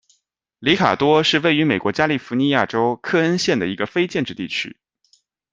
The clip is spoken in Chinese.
里卡多是位于美国加利福尼亚州克恩县的一个非建制地区。